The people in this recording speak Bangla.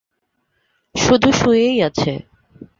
শুধু শুয়েই আছে।